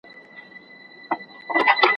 پاته له جهانه قافله به تر اسمانه وړم